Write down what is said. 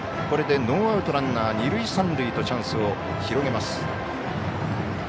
これでノーアウトランナー、二塁三塁とチャンスを広げます。